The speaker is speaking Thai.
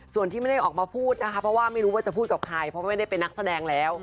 ส่วนที่ไม่ได้ออกมาพูดนะคะเพราะว่าไม่รู้ว่าจะพูดกับใครเพราะไม่ได้เป็นนักแสดงแล้ว